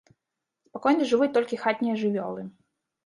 Спакойна жывуць толькі хатнія жывёлы.